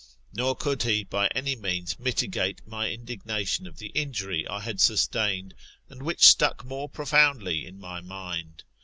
] Nor could he by any means mitigate my indignation of the injury I had sustained, and which stuck more profoundly in my mind.